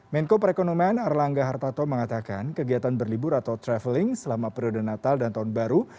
menko perekonomian erlangga hartarto mengatakan kegiatan berlibur atau traveling selama periode natal dan tahun baru